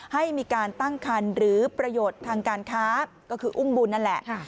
ให้มีการตั้งคันหรือประโยชน์ทางการค้าก็คืออุ้มบุญนั่นแหละ